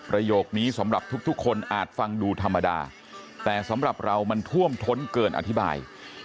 โยคนี้สำหรับทุกคนอาจฟังดูธรรมดาแต่สำหรับเรามันท่วมท้นเกินอธิบาย